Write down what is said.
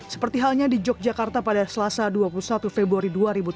seperti halnya di yogyakarta pada selasa dua puluh satu februari dua ribu tujuh belas